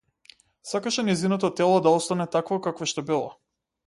Сакаше нејзиното тело да остане такво какво што било.